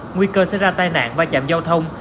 nguy cơ sẽ ra tai nạn và chạm giao thông